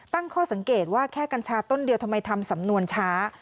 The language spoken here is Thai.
ตั้งข้อสังเกตว่าแค่กัญชาต้นเดียวทำไมทำสำนวนช้า